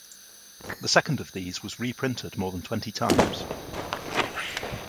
The second of these was reprinted more than twenty times.